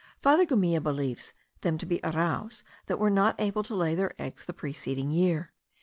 Father Gumilla believes them to be arraus that were not able to lay their eggs the preceding year.